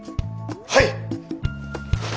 はい！